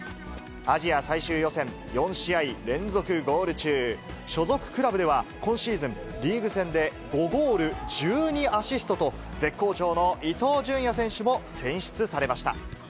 アジア最終予選、４試合連続ゴール中、所属クラブでは今シーズン、リーグ戦で５ゴール１２アシストと、絶好調の伊東純也選手も選出されました。